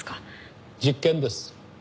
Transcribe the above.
実験です。